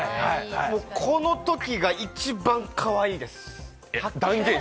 このときが一番かわいいです。